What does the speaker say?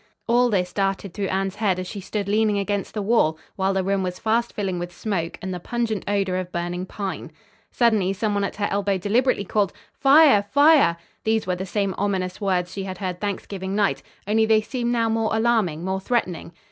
All this darted through Anne's head as she stood leaning against the wall while the room was fast filling with smoke and the pungent odor of burning pine. Suddenly, some one at her elbow deliberately called "Fire! Fire!" These were the same ominous words she had heard Thanksgiving night, only they seemed now more alarming, more threatening.